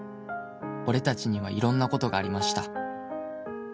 「俺達には色んなことがありました」